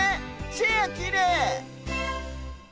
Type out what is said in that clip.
チェアきれい！